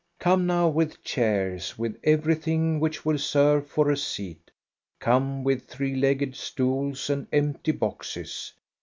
Come now with chairs, with everything which will serve for a seat! Come with three legged stools ^ CHRISTMAS EVE 35 and empty boxes